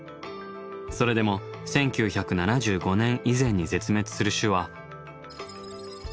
それでも１９７５年以前に絶滅する種は。